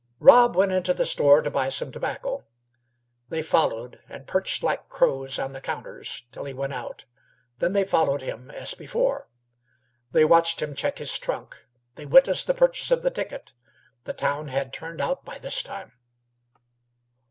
Rob went into the store to buy some tobacco. They all followed, and perched like crows on the counters till he went out; then they followed him, as before. They watched him check his trunk; they witnessed the purchase of the ticket. The town had turned out by this time.